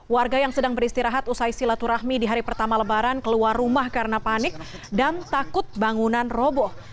warga yang sedang beristirahat usai silaturahmi di hari pertama lebaran keluar rumah karena panik dan takut bangunan roboh